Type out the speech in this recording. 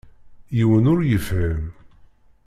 Yiwen ur yefhim.